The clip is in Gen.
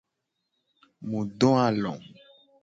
Mu do alo.